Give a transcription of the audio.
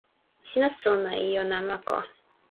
sina sona e ijo namako.